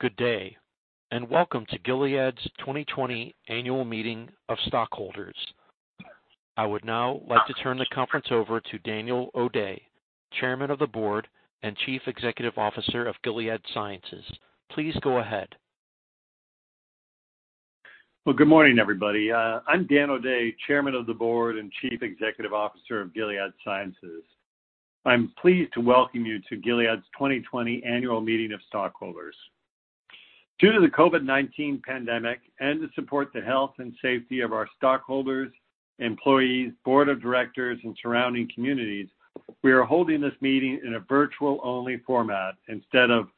Good day, welcome to Gilead's 2020 annual meeting of stockholders. I would now like to turn the conference over to Daniel O'Day, Chairman of the Board and Chief Executive Officer of Gilead Sciences. Please go ahead. Well, good morning, everybody. I'm Dan O'Day, Chairman of the Board and Chief Executive Officer of Gilead Sciences. I'm pleased to welcome you to Gilead's 2020 annual meeting of stockholders. Due to the COVID-19 pandemic and to support the health and safety of our stockholders, employees, board of directors, and surrounding communities, we are holding this meeting in a virtual-only format instead of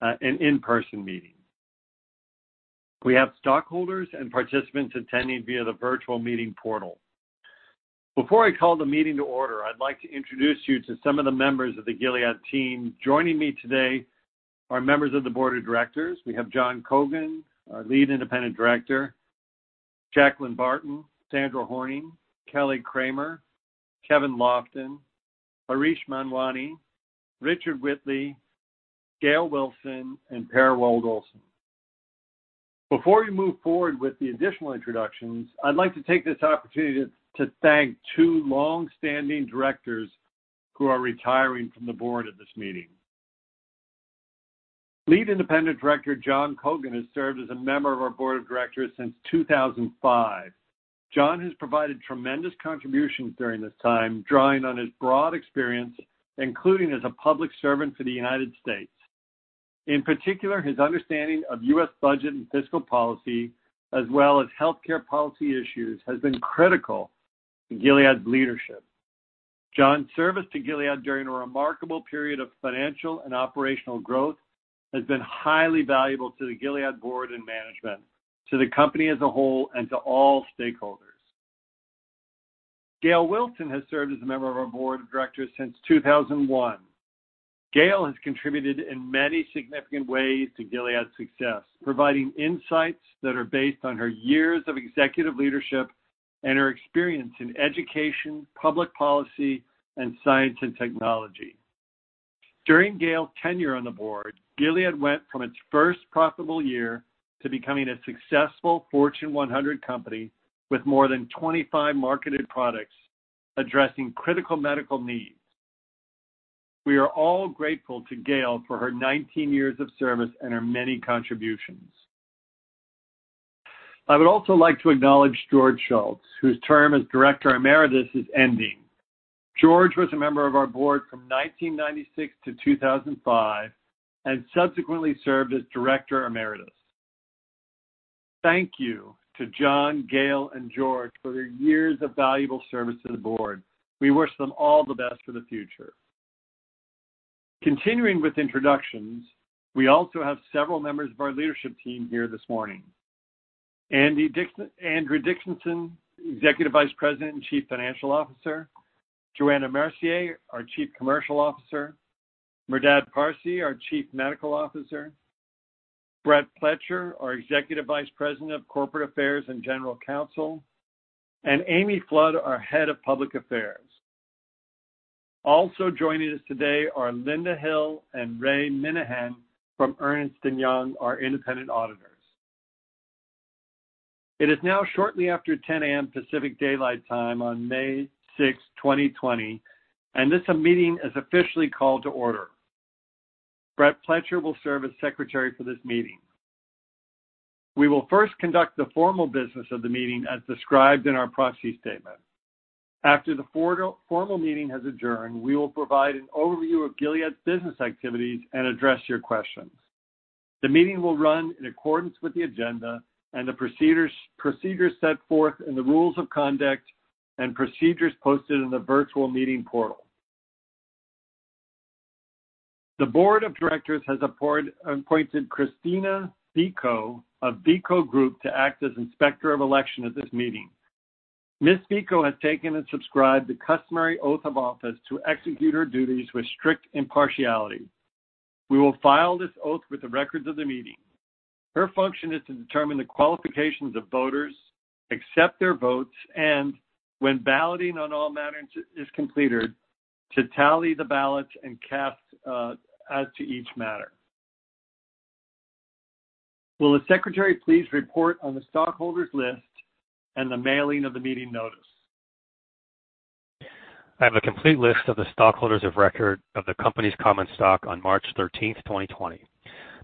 an in-person meeting. We have stockholders and participants attending via the virtual meeting portal. Before I call the meeting to order, I'd like to introduce you to some of the members of the Gilead team. Joining me today are members of the board of directors. We have John Cogan, our Lead Independent Director, Jacqueline Barton, Sandra Horning, Kelly Kramer, Kevin Lofton, Harish Manwani, Richard Whitley, Gayle Wilson, and Per Wold-Olsen. Before we move forward with the additional introductions, I'd like to take this opportunity to thank two longstanding directors who are retiring from the board at this meeting. Lead independent director, John Cogan, has served as a member of our board of directors since 2005. John has provided tremendous contributions during this time, drawing on his broad experience, including as a public servant for the U.S. In particular, his understanding of U.S. budget and fiscal policy, as well as healthcare policy issues, has been critical to Gilead's leadership. John's service to Gilead during a remarkable period of financial and operational growth has been highly valuable to the Gilead board and management, to the company as a whole, and to all stakeholders. Gayle Wilson has served as a member of our board of directors since 2001. Gayle has contributed in many significant ways to Gilead's success, providing insights that are based on her years of executive leadership and her experience in education, public policy, and science and technology. During Gayle's tenure on the board, Gilead went from its first profitable year to becoming a successful Fortune 100 company with more than 25 marketed products addressing critical medical needs. We are all grateful to Gayle for her 19 years of service and her many contributions. I would also like to acknowledge George Shultz, whose term as director emeritus is ending. George was a member of our board from 1996 to 2005, and subsequently served as director emeritus. Thank you to John, Gayle, and George for their years of valuable service to the board. We wish them all the best for the future. Continuing with introductions, we also have several members of our leadership team here this morning. Andrew Dickinson, Executive Vice President and Chief Financial Officer, Johanna Mercier, our Chief Commercial Officer, Merdad Parsey, our Chief Medical Officer, Brett Pletcher, our Executive Vice President of Corporate Affairs and General Counsel, and Amy Flood, our Head of Public Affairs. Also joining us today are Linda Hill and Ray Minehan from Ernst & Young, our independent auditors. It is now shortly after 10:00 A.M. Pacific Daylight Time on May 6, 2020, and this meeting is officially called to order. Brett Pletcher will serve as secretary for this meeting. We will first conduct the formal business of the meeting as described in our proxy statement. After the formal meeting has adjourned, we will provide an overview of Gilead's business activities and address your questions. The meeting will run in accordance with the agenda and the procedures set forth in the rules of conduct and procedures posted in the virtual meeting portal. The board of directors has appointed Christina Biko of Biko Group to act as Inspector of Election at this meeting. Ms. Biko has taken and subscribed the customary oath of office to execute her duties with strict impartiality. We will file this oath with the records of the meeting. Her function is to determine the qualifications of voters, accept their votes, and when balloting on all matters is completed, to tally the ballots and cast as to each matter. Will the secretary please report on the stockholders' list and the mailing of the meeting notice? I have a complete list of the stockholders of record of the company's common stock on March 13th, 2020,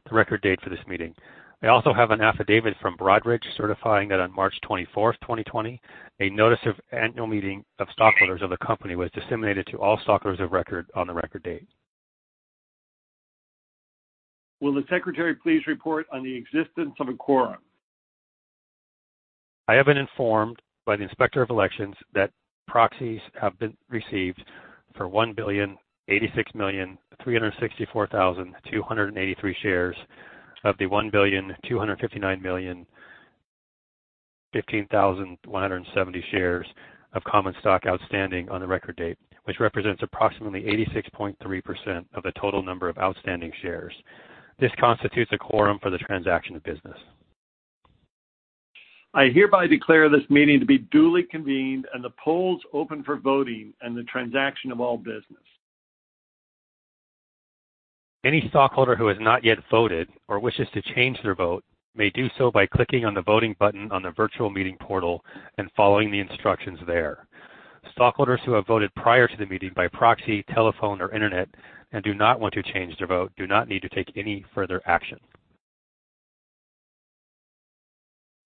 the record date for this meeting. I also have an affidavit from Broadridge certifying that on March 24th, 2020, a notice of annual meeting of stockholders of the company was disseminated to all stockholders of record on the record date. Will the secretary please report on the existence of a quorum? I have been informed by the Inspector of Elections that proxies have been received for 1,086,364,283 shares of the 1,259,015,170 shares of common stock outstanding on the record date, which represents approximately 86.3% of the total number of outstanding shares. This constitutes a quorum for the transaction of business. I hereby declare this meeting to be duly convened and the polls open for voting and the transaction of all business. Any stockholder who has not yet voted or wishes to change their vote may do so by clicking on the voting button on the virtual meeting portal and following the instructions there. Stockholders who have voted prior to the meeting by proxy, telephone, or internet and do not want to change their vote do not need to take any further action.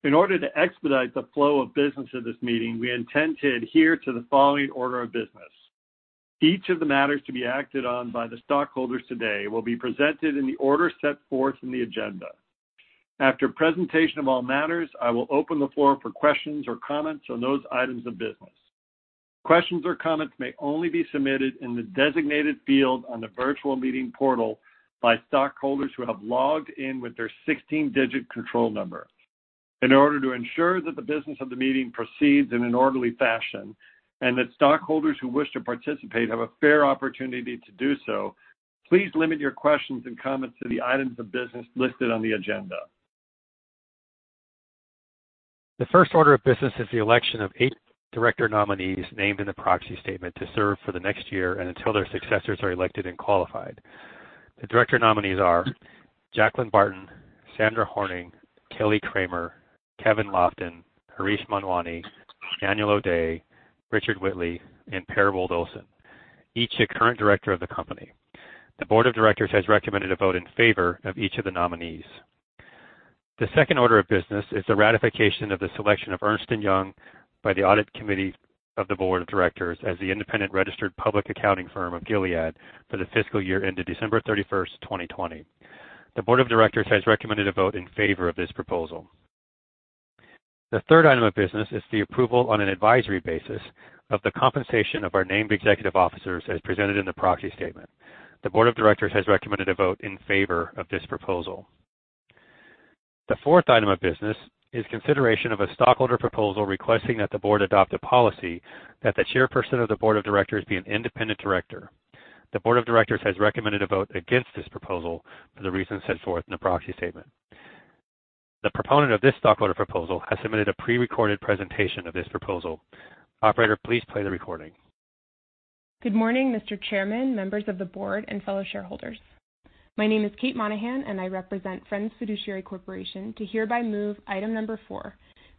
In order to expedite the flow of business of this meeting, we intend to adhere to the following order of business. Each of the matters to be acted on by the stockholders today will be presented in the order set forth in the agenda. After presentation of all matters, I will open the floor for questions or comments on those items of business. Questions or comments may only be submitted in the designated field on the virtual meeting portal by stockholders who have logged in with their 16-digit control number. In order to ensure that the business of the meeting proceeds in an orderly fashion, and that stockholders who wish to participate have a fair opportunity to do so, please limit your questions and comments to the items of business listed on the agenda. The first order of business is the election of eight director nominees named in the proxy statement to serve for the next year and until their successors are elected and qualified. The director nominees are Jacqueline Barton, Sandra Horning, Kelly Kramer, Kevin Lofton, Harish Manwani, Daniel O'Day, Richard Whitley, and Per Wold-Olsen, each a current director of the company. The board of directors has recommended a vote in favor of each of the nominees. The second order of business is the ratification of the selection of Ernst & Young by the audit committee of the board of directors as the independent registered public accounting firm of Gilead for the fiscal year ended December 31, 2020. The board of directors has recommended a vote in favor of this proposal. The third item of business is the approval on an advisory basis of the compensation of our named executive officers as presented in the proxy statement. The board of directors has recommended a vote in favor of this proposal. The fourth item of business is consideration of a stockholder proposal requesting that the board adopt a policy that the chairperson of the board of directors be an independent director. The board of directors has recommended a vote against this proposal for the reasons set forth in the proxy statement. The proponent of this stockholder proposal has submitted a prerecorded presentation of this proposal. Operator, please play the recording. Good morning, Mr. Chairman, members of the board, and fellow shareholders. My name is Kate Monahan, and I represent Friends Fiduciary Corporation to hereby move item number 4,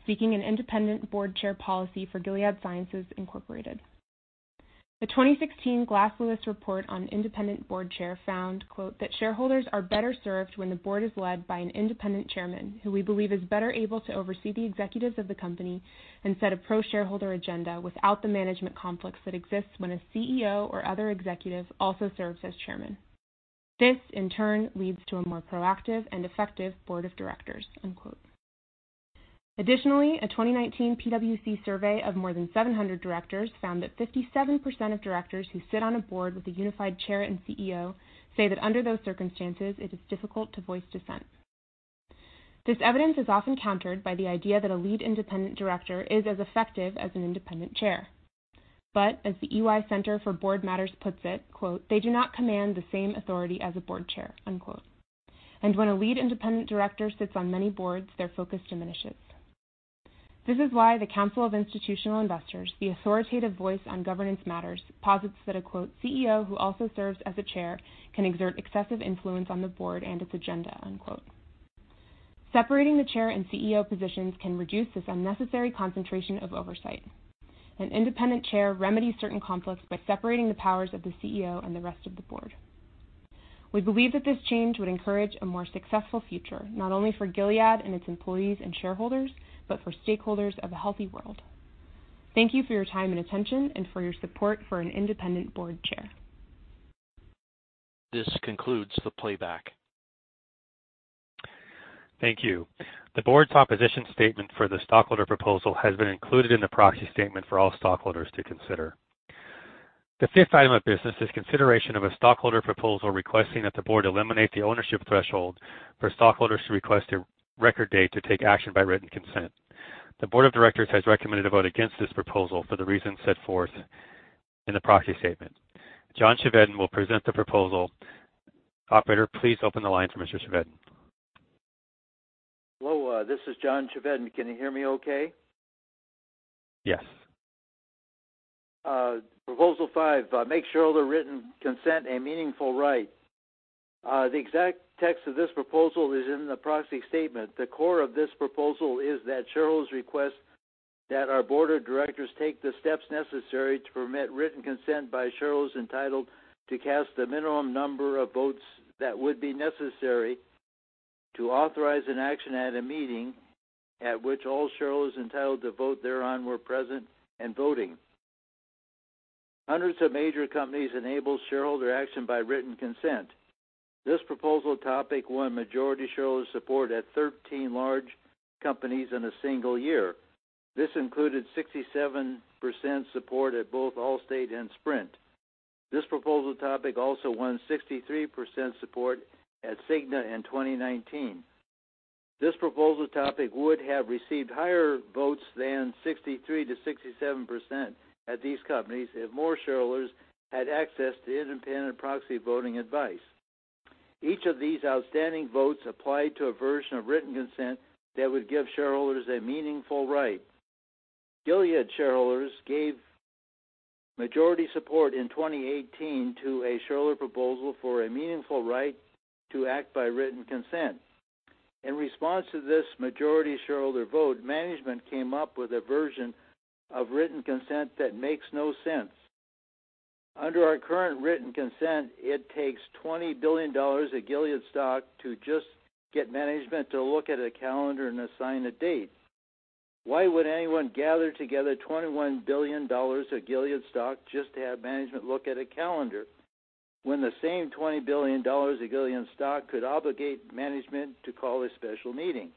seeking an independent board chair policy for Gilead Sciences, Inc. The 2016 Glass Lewis report on independent board chair found, quote, "That shareholders are better served when the board is led by an independent chairman who we believe is better able to oversee the executives of the company and set a pro-shareholder agenda without the management conflicts that exist when a CEO or other executive also serves as chairman." This, in turn, leads to a more proactive and effective board of directors. Unquote. Additionally, a 2019 PwC survey of more than 700 directors found that 57% of directors who sit on a board with a unified chair and CEO say that under those circumstances it is difficult to voice dissent. This evidence is often countered by the idea that a lead independent director is as effective as an independent chair. As the EY Center for Board Matters puts it, “They do not command the same authority as a board chair.” When a lead independent director sits on many boards, their focus diminishes. This is why the Council of Institutional Investors, the authoritative voice on governance matters, posits that a, “CEO who also serves as a chair can exert excessive influence on the board and its agenda.” Separating the chair and CEO positions can reduce this unnecessary concentration of oversight. An independent chair remedies certain conflicts by separating the powers of the CEO and the rest of the board. We believe that this change would encourage a more successful future, not only for Gilead and its employees and shareholders, but for stakeholders of a healthy world. Thank you for your time and attention and for your support for an independent board chair. This concludes the playback. Thank you. The board's opposition statement for the stockholder proposal has been included in the proxy statement for all stockholders to consider. The fifth item of business is consideration of a stockholder proposal requesting that the board eliminate the ownership threshold for stockholders to request a record date to take action by written consent. The board of directors has recommended a vote against this proposal for the reasons set forth in the proxy statement. John Chevedden will present the proposal. Operator, please open the line for Mr. Chevedden. Hello, this is John Chevedden. Can you hear me okay? Yes. Proposal five, make shareholder written consent a meaningful right. The exact text of this proposal is in the proxy statement. The core of this proposal is that shareholders request that our board of directors take the steps necessary to permit written consent by shareholders entitled to cast the minimum number of votes that would be necessary to authorize an action at a meeting at which all shareholders entitled to vote thereon were present and voting. Hundreds of major companies enable shareholder action by written consent. This proposal topic won majority shareholder support at 13 large companies in a single year. This included 67% support at both Allstate and Sprint. This proposal topic also won 63% support at Cigna in 2019. This proposal topic would have received higher votes than 63%-67% at these companies if more shareholders had access to independent proxy voting advice. Each of these outstanding votes applied to a version of written consent that would give shareholders a meaningful right. Gilead shareholders gave majority support in 2018 to a shareholder proposal for a meaningful right to act by written consent. In response to this majority shareholder vote, management came up with a version of written consent that makes no sense. Under our current written consent, it takes $20 billion of Gilead stock to just get management to look at a calendar and assign a date. Why would anyone gather together $21 billion of Gilead stock just to have management look at a calendar, when the same $20 billion of Gilead stock could obligate management to call a special meeting?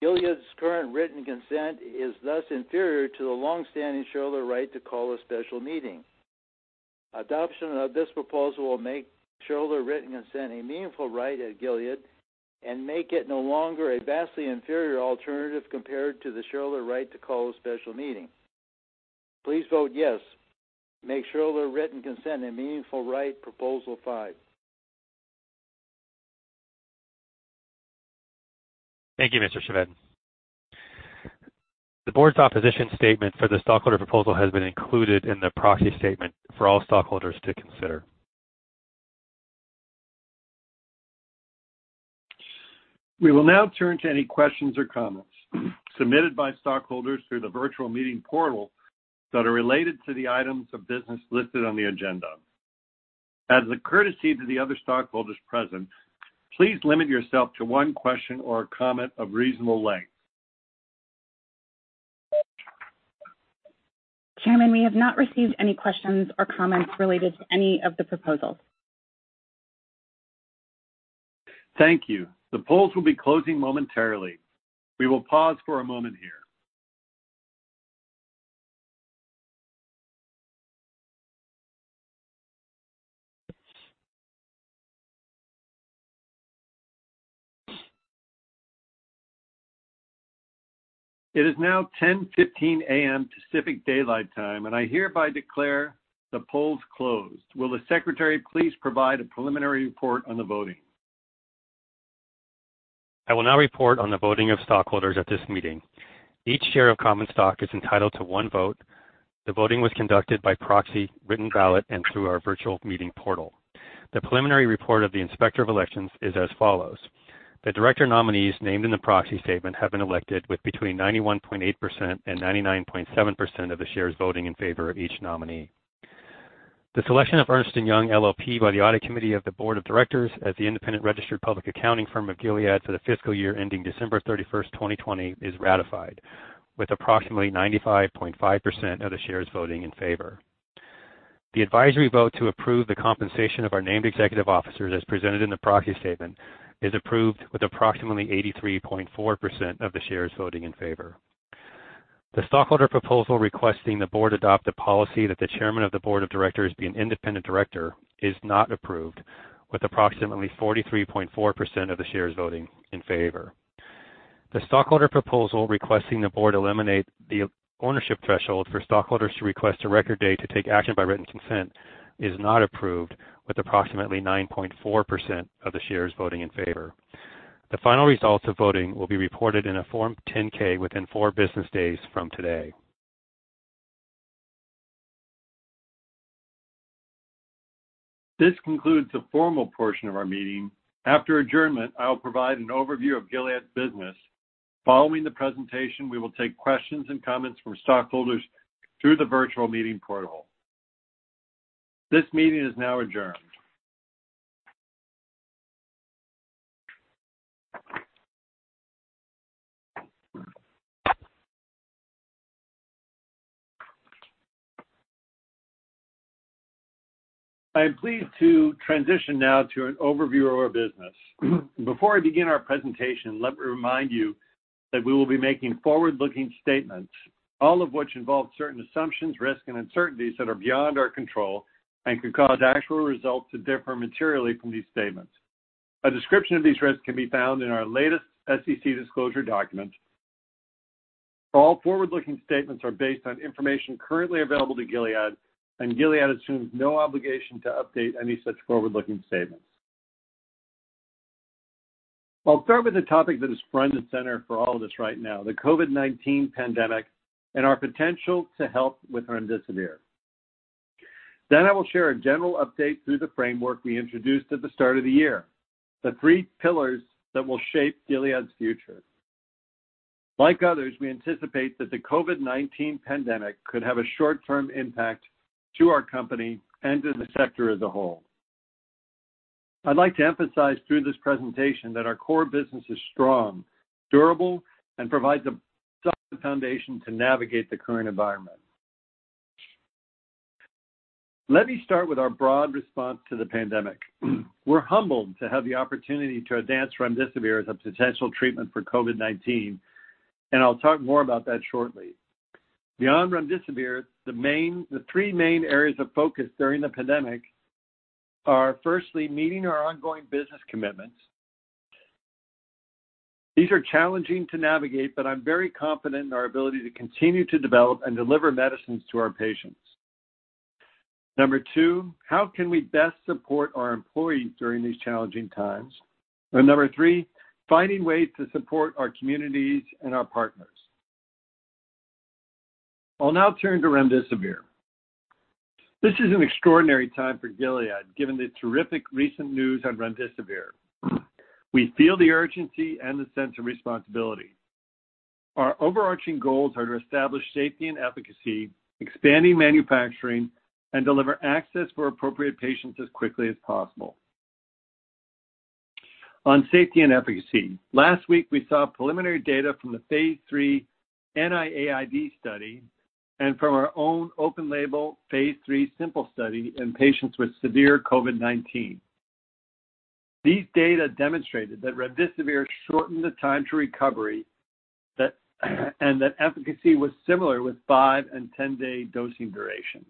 Gilead's current written consent is thus inferior to the longstanding shareholder right to call a special meeting. Adoption of this proposal will make shareholder written consent a meaningful right at Gilead and make it no longer a vastly inferior alternative compared to the shareholder right to call a special meeting. Please vote yes. Make shareholder written consent a meaningful right, proposal five. Thank you, Mr. Chevedden. The board's opposition statement for the stockholder proposal has been included in the proxy statement for all stockholders to consider. We will now turn to any questions or comments submitted by stockholders through the virtual meeting portal that are related to the items of business listed on the agenda. As a courtesy to the other stockholders present, please limit yourself to one question or comment of reasonable length. Chairman, we have not received any questions or comments related to any of the proposals. Thank you. The polls will be closing momentarily. We will pause for a moment here. It is now 10:15 A.M. Pacific Daylight Time, and I hereby declare the polls closed. Will the secretary please provide a preliminary report on the voting? I will now report on the voting of stockholders at this meeting. Each share of common stock is entitled to one vote. The voting was conducted by proxy, written ballot and through our virtual meeting portal. The preliminary report of the Inspector of Elections is as follows. The director nominees named in the proxy statement have been elected with between 91.8% and 99.7% of the shares voting in favor of each nominee. The selection of Ernst & Young LLP by the Audit Committee of the Board of Directors as the independent registered public accounting firm of Gilead for the fiscal year ending December 31st, 2020 is ratified with approximately 95.5% of the shares voting in favor. The advisory vote to approve the compensation of our named executive officers as presented in the proxy statement is approved with approximately 83.4% of the shares voting in favor. The stockholder proposal requesting the Board adopt a policy that the Chairman of the Board of Directors be an independent director is not approved with approximately 43.4% of the shares voting in favor. The stockholder proposal requesting the Board eliminate the ownership threshold for stockholders to request a record date to take action by written consent is not approved with approximately 9.4% of the shares voting in favor. The final results of voting will be reported in a Form 10-K within four business days from today. This concludes the formal portion of our meeting. After adjournment, I will provide an overview of Gilead's business. Following the presentation, we will take questions and comments from stockholders through the virtual meeting portal. This meeting is now adjourned. I am pleased to transition now to an overview of our business. Before I begin our presentation, let me remind you that we will be making forward-looking statements, all of which involve certain assumptions, risks, and uncertainties that are beyond our control and could cause actual results to differ materially from these statements. A description of these risks can be found in our latest SEC disclosure documents. All forward-looking statements are based on information currently available to Gilead, and Gilead assumes no obligation to update any such forward-looking statements. I'll start with a topic that is front and center for all of us right now, the COVID-19 pandemic and our potential to help with remdesivir. I will share a general update through the framework we introduced at the start of the year, the three pillars that will shape Gilead's future. Like others, we anticipate that the COVID-19 pandemic could have a short-term impact to our company and to the sector as a whole. I'd like to emphasize through this presentation that our core business is strong, durable, and provides a solid foundation to navigate the current environment. Let me start with our broad response to the pandemic. We're humbled to have the opportunity to advance remdesivir as a potential treatment for COVID-19, and I'll talk more about that shortly. Beyond remdesivir, the three main areas of focus during the pandemic are firstly, meeting our ongoing business commitments. These are challenging to navigate, but I'm very confident in our ability to continue to develop and deliver medicines to our patients. Number two, how can we best support our employees during these challenging times? Number three, finding ways to support our communities and our partners. I'll now turn to remdesivir. This is an extraordinary time for Gilead, given the terrific recent news on remdesivir. We feel the urgency and the sense of responsibility. Our overarching goals are to establish safety and efficacy, expanding manufacturing, and deliver access for appropriate patients as quickly as possible. On safety and efficacy, last week, we saw preliminary data from the phase III NIAID study and from our own open-label phase III SIMPLE study in patients with severe COVID-19. These data demonstrated that remdesivir shortened the time to recovery and that efficacy was similar with five and 10-day dosing durations.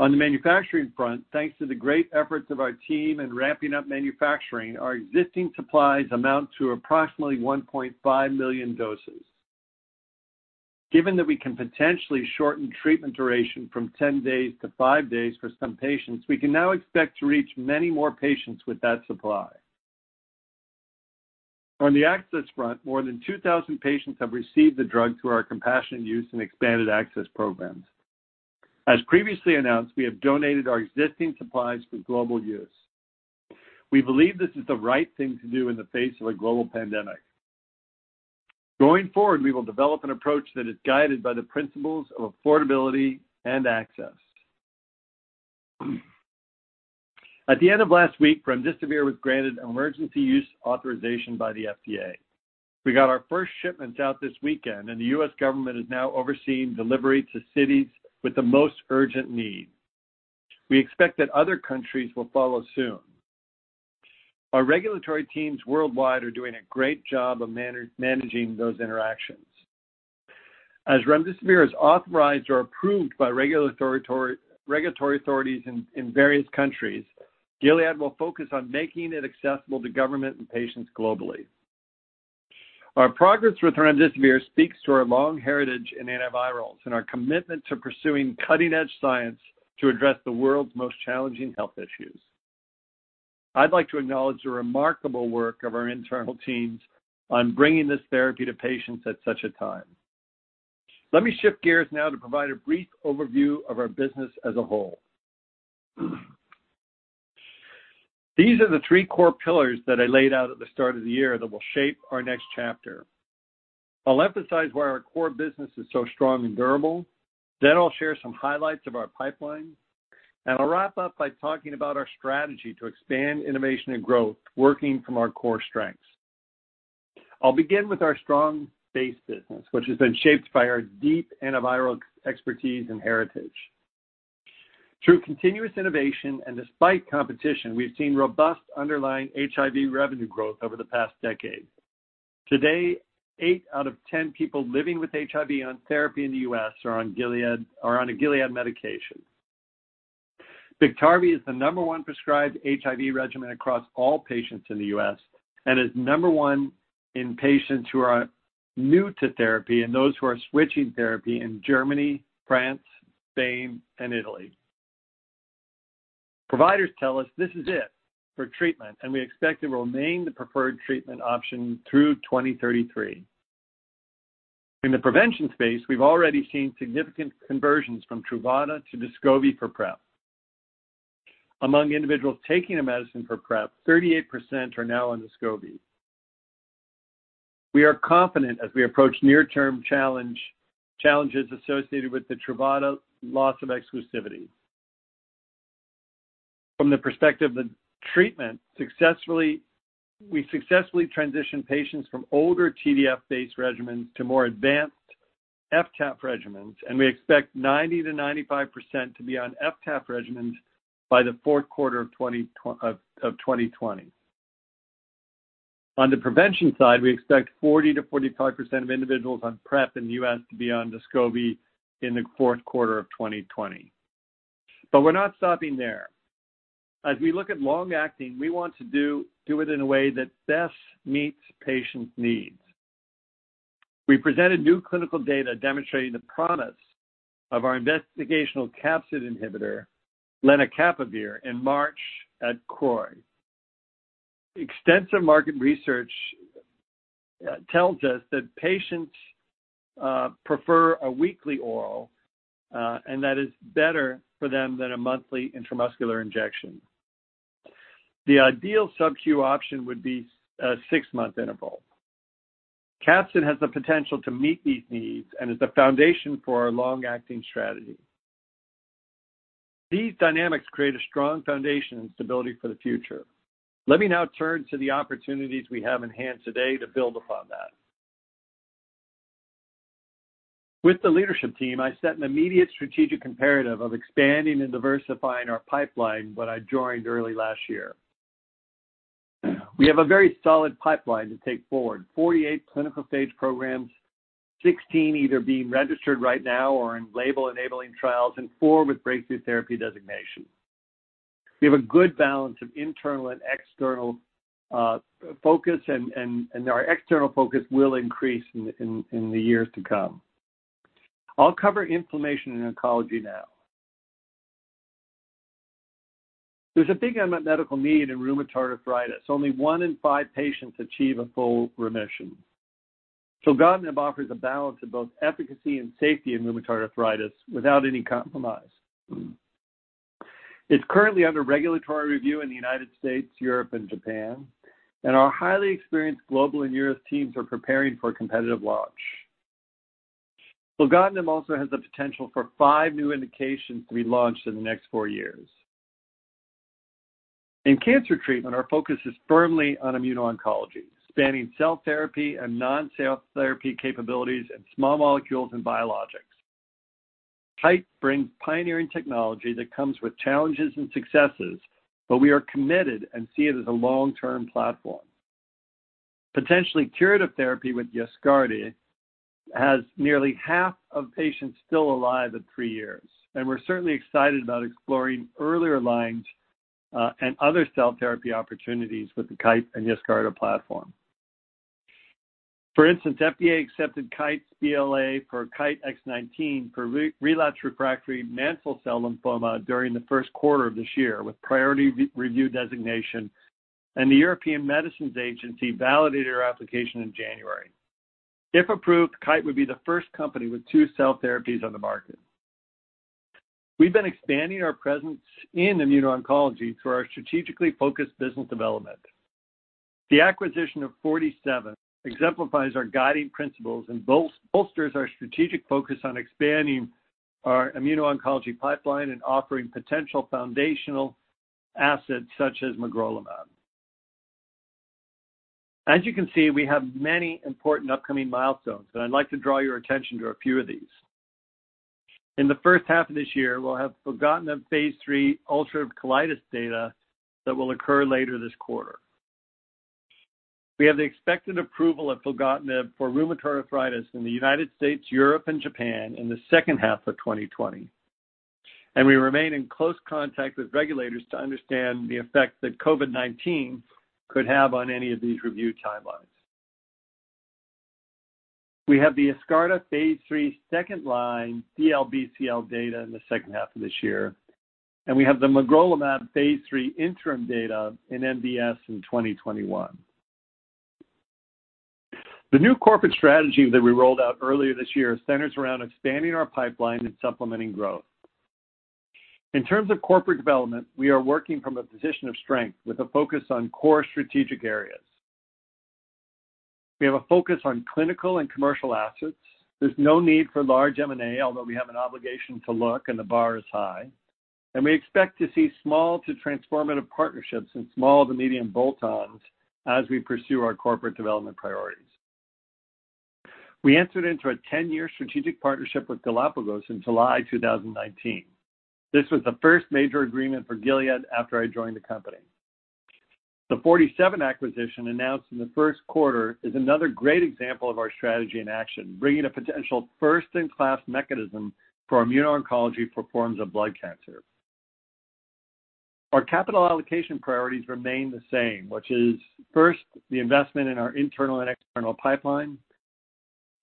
On the manufacturing front, thanks to the great efforts of our team in ramping up manufacturing, our existing supplies amount to approximately 1.5 million doses. Given that we can potentially shorten treatment duration from 10 days to five days for some patients, we can now expect to reach many more patients with that supply. On the access front, more than 2,000 patients have received the drug through our compassionate use and expanded access programs. As previously announced, we have donated our existing supplies for global use. We believe this is the right thing to do in the face of a global pandemic. Going forward, we will develop an approach that is guided by the principles of affordability and access. At the end of last week, remdesivir was granted emergency use authorization by the FDA. We got our first shipments out this weekend, and the U.S. government is now overseeing delivery to cities with the most urgent need. We expect that other countries will follow soon. Our regulatory teams worldwide are doing a great job of managing those interactions. As remdesivir is authorized or approved by regulatory authorities in various countries, Gilead will focus on making it accessible to government and patients globally. Our progress with remdesivir speaks to our long heritage in antivirals and our commitment to pursuing cutting-edge science to address the world's most challenging health issues. I'd like to acknowledge the remarkable work of our internal teams on bringing this therapy to patients at such a time. Let me shift gears now to provide a brief overview of our business as a whole. These are the three core pillars that I laid out at the start of the year that will shape our next chapter. I'll emphasize why our core business is so strong and durable. I'll share some highlights of our pipeline, and I'll wrap up by talking about our strategy to expand innovation and growth, working from our core strengths. I'll begin with our strong base business, which has been shaped by our deep antiviral expertise and heritage. Through continuous innovation and despite competition, we've seen robust underlying HIV revenue growth over the past decade. Today, eight out of 10 people living with HIV on therapy in the U.S. are on a Gilead medication. Biktarvy is the number one prescribed HIV regimen across all patients in the U.S. and is number one in patients who are new to therapy and those who are switching therapy in Germany, France, Spain, and Italy. Providers tell us this is it for treatment, and we expect it will remain the preferred treatment option through 2033. In the prevention space, we've already seen significant conversions from Truvada to Descovy for PrEP. Among individuals taking a medicine for PrEP, 38% are now on Descovy. We are confident as we approach near-term challenges associated with the Truvada loss of exclusivity. From the perspective of treatment, we successfully transitioned patients from older TDF-based regimens to more advanced F/TAF regimens, and we expect 90%-95% to be on F/TAF regimens by the fourth quarter of 2020. On the prevention side, we expect 40%-45% of individuals on PrEP in the U.S. to be on Descovy in the fourth quarter of 2020. We're not stopping there. As we look at long-acting, we want to do it in a way that best meets patients' needs. We presented new clinical data demonstrating the promise of our investigational capsid inhibitor, lenacapavir, in March at CROI. Extensive market research tells us that patients prefer a weekly oral, and that is better for them than a monthly intramuscular injection. The ideal SubQ option would be a six-month interval. Capsid has the potential to meet these needs and is the foundation for our long-acting strategy. These dynamics create a strong foundation and stability for the future. Let me now turn to the opportunities we have in hand today to build upon that. With the leadership team, I set an immediate strategic imperative of expanding and diversifying our pipeline when I joined early last year. We have a very solid pipeline to take forward, 48 clinical-stage programs, 16 either being registered right now or in label-enabling trials, and four with breakthrough therapy designation. We have a good balance of internal and external focus, and our external focus will increase in the years to come. I'll cover inflammation and oncology now. There's a big unmet medical need in rheumatoid arthritis. Only one in five patients achieve a full remission. Filgotinib offers a balance of both efficacy and safety in rheumatoid arthritis without any compromise. It's currently under regulatory review in the U.S., Europe, and Japan, and our highly experienced global and U.S. teams are preparing for a competitive launch. Filgotinib also has the potential for five new indications to be launched in the next four years. In cancer treatment, our focus is firmly on immuno-oncology, spanning cell therapy and non-cell therapy capabilities in small molecules and biologics. Kite brings pioneering technology that comes with challenges and successes, but we are committed and see it as a long-term platform. Potentially curative therapy with YESCARTA has nearly half of patients still alive at three years, and we're certainly excited about exploring earlier lines and other cell therapy opportunities with the Kite and YESCARTA platform. For instance, FDA accepted Kite's BLA for KTE-X19 for relapsed refractory mantle cell lymphoma during the first quarter of this year, with priority review designation, and the European Medicines Agency validated our application in January. If approved, Kite would be the first company with two cell therapies on the market. We've been expanding our presence in immuno-oncology through our strategically focused business development. The acquisition of Forty Seven exemplifies our guiding principles and bolsters our strategic focus on expanding our immuno-oncology pipeline and offering potential foundational assets such as magrolimab. As you can see, we have many important upcoming milestones, and I'd like to draw your attention to a few of these. In the first half of this year, we'll have filgotinib phase III ulcerative colitis data that will occur later this quarter. We have the expected approval of filgotinib for rheumatoid arthritis in the United States, Europe, and Japan in the second half of 2020. We remain in close contact with regulators to understand the effect that COVID-19 could have on any of these review timelines. We have the YESCARTA phase III second-line DLBCL data in the second half of this year. We have the magrolimab phase III interim data in MDS in 2021. The new corporate strategy that we rolled out earlier this year centers around expanding our pipeline and supplementing growth. In terms of corporate development, we are working from a position of strength with a focus on core strategic areas. We have a focus on clinical and commercial assets. There's no need for large M&A, although we have an obligation to look. The bar is high. We expect to see small to transformative partnerships and small to medium bolt-ons as we pursue our corporate development priorities. We entered into a 10-year strategic partnership with Galapagos in July 2019. This was the first major agreement for Gilead after I joined the company. The Forty Seven acquisition announced in the first quarter is another great example of our strategy in action, bringing a potential first-in-class mechanism for immuno-oncology for forms of blood cancer. Our capital allocation priorities remain the same, which is first, the investment in our internal and external pipeline.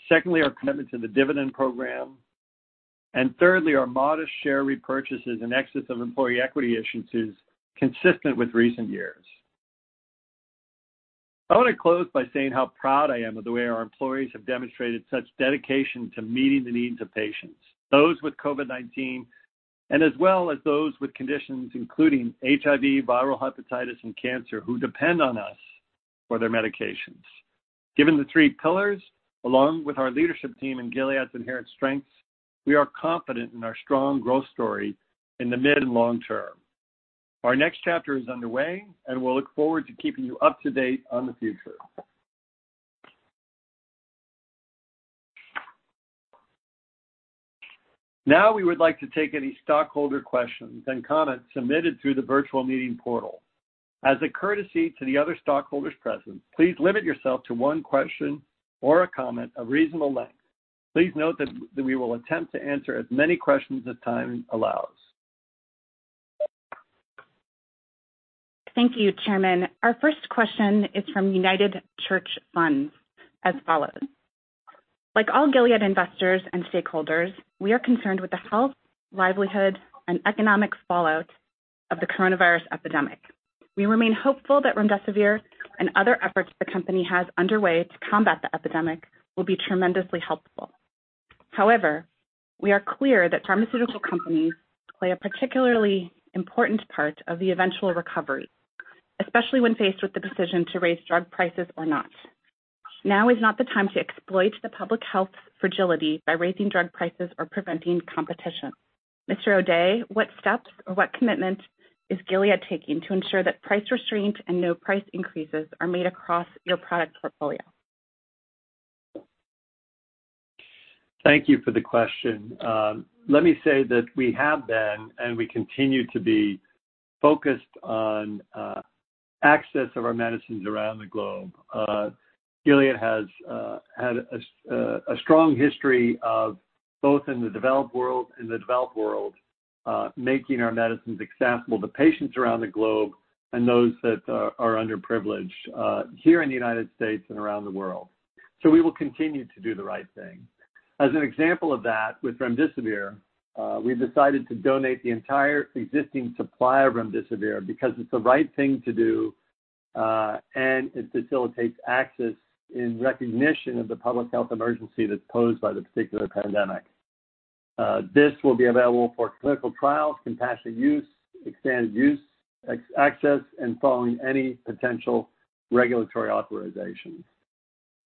Secondly, our commitment to the dividend program. Thirdly, our modest share repurchases in excess of employee equity issuances consistent with recent years. I want to close by saying how proud I am of the way our employees have demonstrated such dedication to meeting the needs of patients, those with COVID-19, and as well as those with conditions including HIV, viral hepatitis, and cancer, who depend on us for their medications. Given the three pillars, along with our leadership team and Gilead's inherent strengths, we are confident in our strong growth story in the mid and long term. Our next chapter is underway, and we'll look forward to keeping you up to date on the future. Now, we would like to take any stockholder questions and comments submitted through the virtual meeting portal. As a courtesy to the other stockholders present, please limit yourself to one question or a comment of reasonable length. Please note that we will attempt to answer as many questions as time allows. Thank you, Chairman. Our first question is from United Church Funds as follows. Like all Gilead investors and stakeholders, we are concerned with the health, livelihood, and economic fallout of the coronavirus epidemic. We remain hopeful that remdesivir and other efforts the company has underway to combat the epidemic will be tremendously helpful. However, we are clear that pharmaceutical companies play a particularly important part of the eventual recovery, especially when faced with the decision to raise drug prices or not. Now is not the time to exploit the public health fragility by raising drug prices or preventing competition. Mr. O'Day, what steps or what commitment is Gilead taking to ensure that price restraint and no price increases are made across your product portfolio? Thank you for the question. Let me say that we have been, and we continue to be focused on access of our medicines around the globe. Gilead has had a strong history of both in the developed world, making our medicines accessible to patients around the globe and those that are underprivileged here in the United States and around the world. We will continue to do the right thing. As an example of that, with remdesivir, we've decided to donate the entire existing supply of remdesivir because it's the right thing to do, and it facilitates access in recognition of the public health emergency that's posed by the particular pandemic. This will be available for clinical trials, compassionate use, expanded use, access, and following any potential regulatory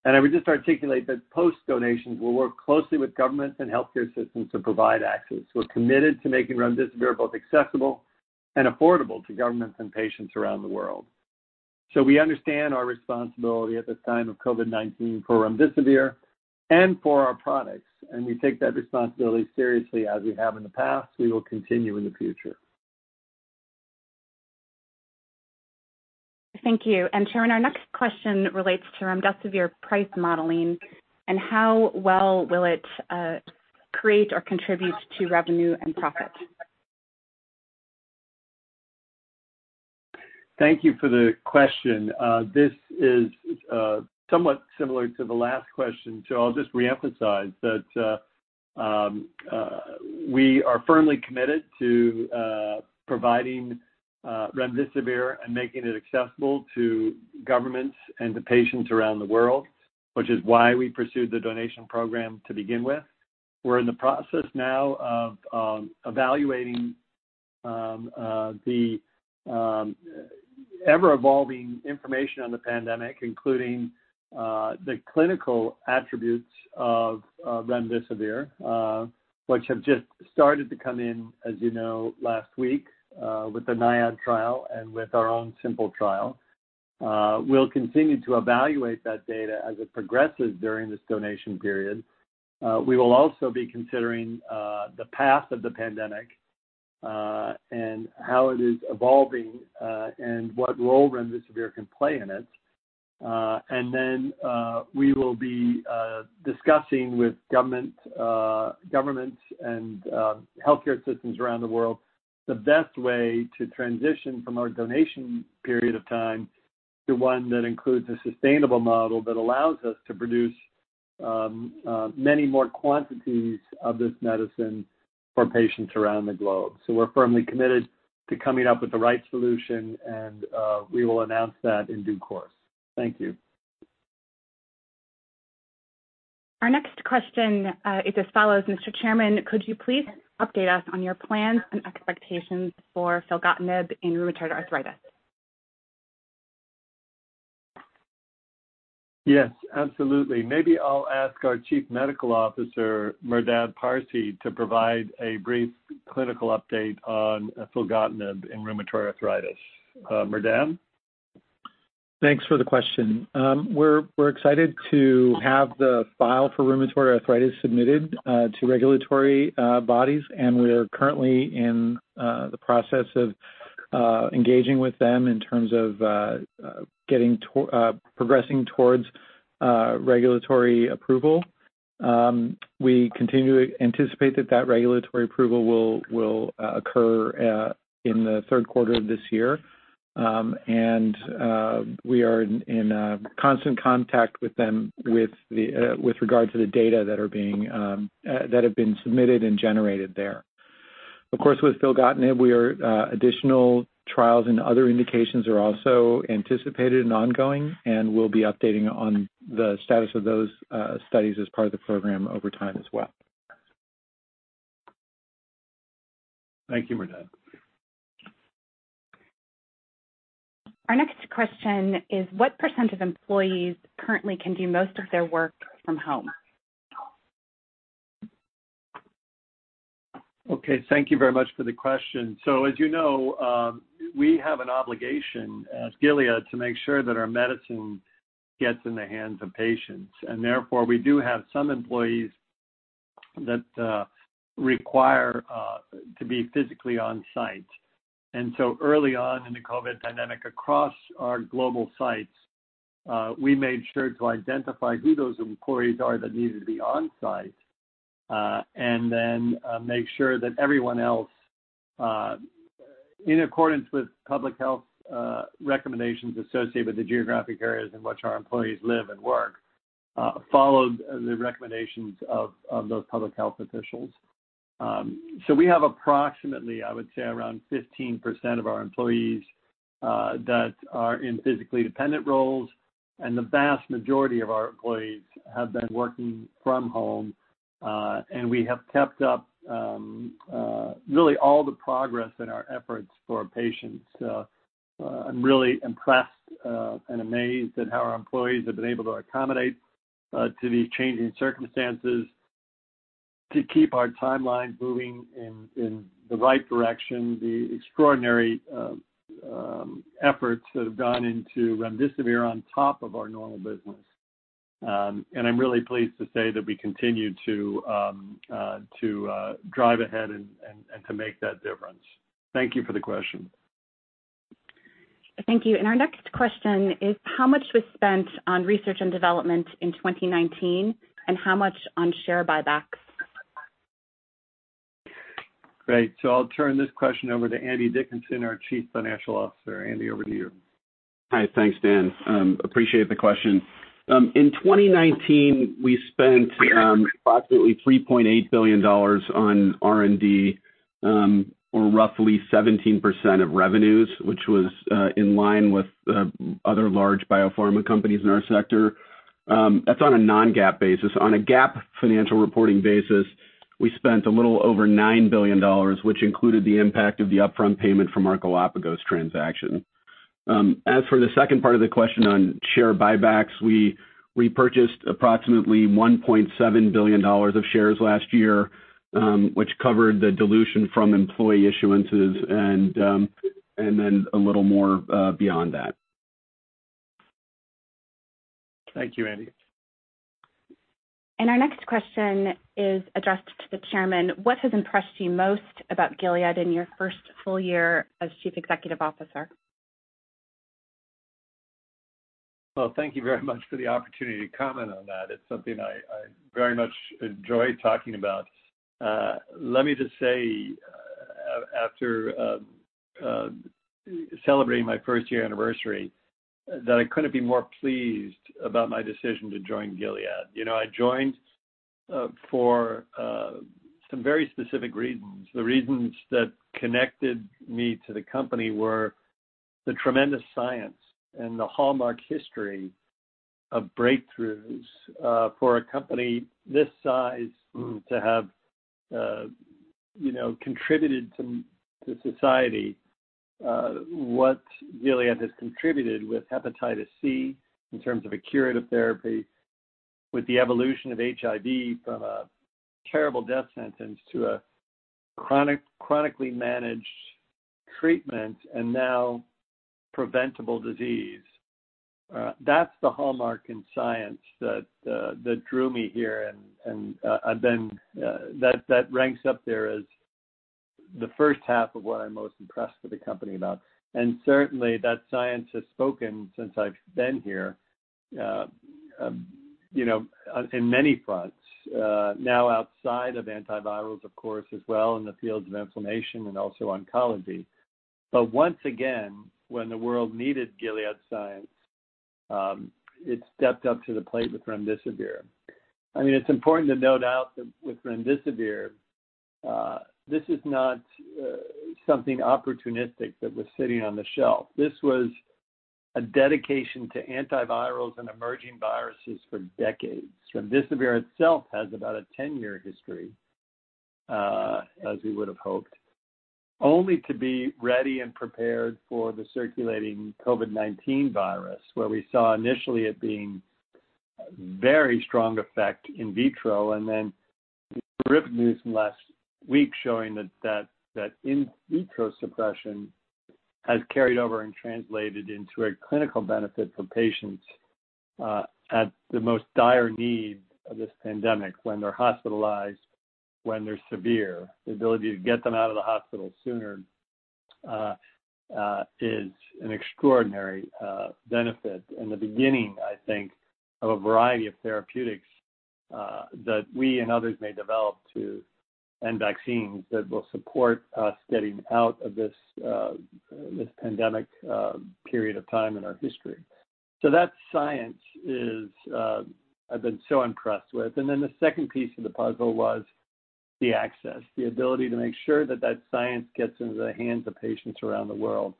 authorization. I would just articulate that post-donation, we'll work closely with governments and healthcare systems to provide access. We're committed to making remdesivir both accessible and affordable to governments and patients around the world. We understand our responsibility at this time of COVID-19 for remdesivir and for our products, and we take that responsibility seriously as we have in the past. We will continue in the future. Thank you. Chairman, our next question relates to remdesivir price modeling and how well will it create or contribute to revenue and profit? Thank you for the question. This is somewhat similar to the last question, so I'll just reemphasize that we are firmly committed to providing remdesivir and making it accessible to governments and to patients around the world, which is why we pursued the donation program to begin with. We're in the process now of evaluating the ever-evolving information on the pandemic, including the clinical attributes of remdesivir which have just started to come in, as you know, last week with the NIAID trial and with our own SIMPLE trial. We'll continue to evaluate that data as it progresses during this donation period. We will also be considering the path of the pandemic and how it is evolving, and what role remdesivir can play in it. We will be discussing with governments and healthcare systems around the world the best way to transition from our donation period of time to one that includes a sustainable model that allows us to produce many more quantities of this medicine for patients around the globe. We're firmly committed to coming up with the right solution, and we will announce that in due course. Thank you. Our next question is as follows: Mr. Chairman, could you please update us on your plans and expectations for filgotinib in rheumatoid arthritis? Yes, absolutely. Maybe I'll ask our Chief Medical Officer, Merdad Parsey, to provide a brief clinical update on filgotinib in rheumatoid arthritis. Merdad? Thanks for the question. We're excited to have filgotinib for rheumatoid arthritis submitted to regulatory bodies. We're currently in the process of engaging with them in terms of progressing towards regulatory approval. We continue to anticipate that regulatory approval will occur in the third quarter of this year. We are in constant contact with them with regard to the data that have been submitted and generated there. Of course, with filgotinib, additional trials and other indications are also anticipated and ongoing, and we'll be updating on the status of those studies as part of the program over time as well. Thank you, Merdad. Our next question is what percent of employees currently can do most of their work from home? Okay, thank you very much for the question. As you know, we have an obligation at Gilead to make sure that our medicine gets in the hands of patients. Therefore, we do have some employees that require to be physically on-site. Early on in the COVID pandemic, across our global sites, we made sure to identify who those employees are that needed to be on-site, then make sure that everyone else, in accordance with public health recommendations associated with the geographic areas in which our employees live and work, followed the recommendations of those public health officials. We have approximately, I would say, around 15% of our employees that are in physically dependent roles, and the vast majority of our employees have been working from home. We have kept up really all the progress in our efforts for patients. I'm really impressed and amazed at how our employees have been able to accommodate to these changing circumstances, to keep our timeline moving in the right direction, the extraordinary efforts that have gone into remdesivir on top of our normal business. I'm really pleased to say that we continue to drive ahead and to make that difference. Thank you for the question. Thank you. Our next question is, how much was spent on research and development in 2019, and how much on share buybacks? Great. I'll turn this question over to Andy Dickinson, our Chief Financial Officer. Andy, over to you. Hi. Thanks, Dan. Appreciate the question. In 2019, we spent approximately $3.8 billion on R&D, or roughly 17% of revenues, which was in line with other large biopharma companies in our sector. That's on a non-GAAP basis. On a GAAP financial reporting basis, we spent a little over $9 billion, which included the impact of the upfront payment from our Galapagos transaction. As for the second part of the question on share buybacks, we repurchased approximately $1.7 billion of shares last year, which covered the dilution from employee issuances and then a little more beyond that. Thank you, Andy. Our next question is addressed to the Chairman. What has impressed you most about Gilead in your first full year as Chief Executive Officer? Well, thank you very much for the opportunity to comment on that. It's something I very much enjoy talking about. Let me just say, after celebrating my first-year anniversary, that I couldn't be more pleased about my decision to join Gilead. I joined for some very specific reasons. The reasons that connected me to the company were the tremendous science and the hallmark history of breakthroughs. For a company this size to have contributed to society what Gilead has contributed with hepatitis C in terms of a curative therapy, with the evolution of HIV from a terrible death sentence to a chronically managed treatment and now preventable disease. That's the hallmark in science that drew me here and that ranks up there as the first half of what I'm most impressed with the company about. Certainly, that science has spoken since I've been here, in many fronts. Outside of antivirals, of course, as well in the fields of inflammation and also oncology. Once again, when the world needed Gilead Sciences, it stepped up to the plate with remdesivir. It's important to note out that with remdesivir, this is not something opportunistic that was sitting on the shelf. This was a dedication to antivirals and emerging viruses for decades. remdesivir itself has about a 10-year history, as we would have hoped, only to be ready and prepared for the circulating COVID-19 virus, where we saw initially it being very strong effect in vitro, and then the terrific news from last week showing that that in vitro suppression has carried over and translated into a clinical benefit for patients at the most dire need of this pandemic when they're hospitalized, when they're severe. The ability to get them out of the hospital sooner is an extraordinary benefit. The beginning, I think, of a variety of therapeutics that we and others may develop to and vaccines that will support us getting out of this pandemic period of time in our history. That science is I've been so impressed with. The second piece of the puzzle was the access, the ability to make sure that that science gets into the hands of patients around the world,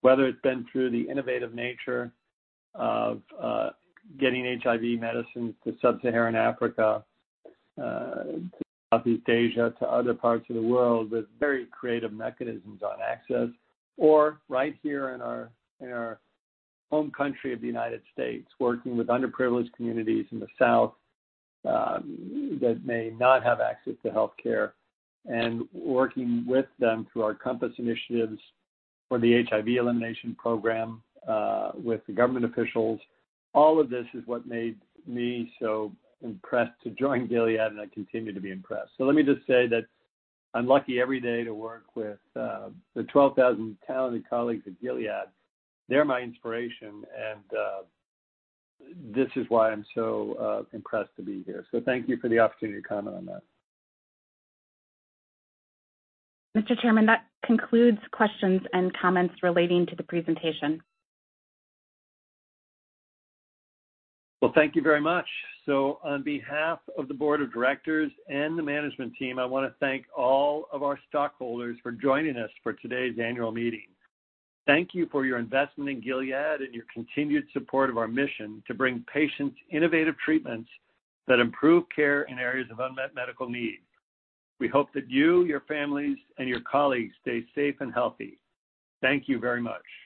whether it's been through the innovative nature of getting HIV medicines to sub-Saharan Africa, to Southeast Asia, to other parts of the world with very creative mechanisms on access, or right here in our home country of the United States, working with underprivileged communities in the South that may not have access to healthcare and working with them through our COMPASS initiatives or the HIV elimination program with the government officials. All of this is what made me so impressed to join Gilead, and I continue to be impressed. Let me just say that I'm lucky every day to work with the 12,000 talented colleagues at Gilead. They're my inspiration and this is why I'm so impressed to be here. Thank you for the opportunity to comment on that. Mr. Chairman, that concludes questions and comments relating to the presentation. Well, thank you very much. On behalf of the board of directors and the management team, I want to thank all of our stockholders for joining us for today's annual meeting. Thank you for your investment in Gilead and your continued support of our mission to bring patients innovative treatments that improve care in areas of unmet medical need. We hope that you, your families, and your colleagues stay safe and healthy. Thank you very much.